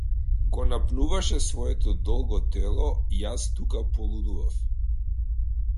Го напнуваше своето долго тело и јас тука полудував.